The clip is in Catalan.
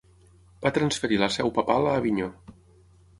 Va transferir la seu papal a Avinyó.